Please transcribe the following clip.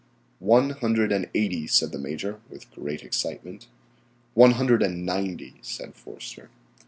"One hundred and eighty," said the Major, with great excitement. "One hundred and ninety," said Forster.